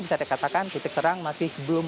bisa dikatakan titik terang masih belum